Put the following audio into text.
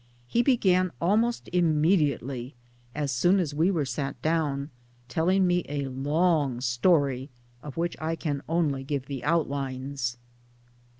He began almost immediately as soon as we were sat down telling me a long story of which I can only give the outlines.